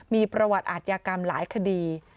มีประวัติอาทยากรรมหลายคดี